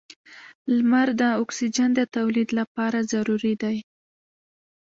• لمر د اکسیجن د تولید لپاره ضروري دی.